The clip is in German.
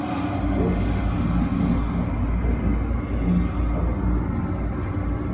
Sportlich setzt man in diesem Jahr nicht mehr auf Pirelli-, sondern auf Michelin-Reifen.